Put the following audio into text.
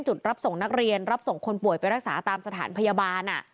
จุดรับส่งนักเรียนรับส่งคนป่วยไปรักษาตามสถานพยาบาล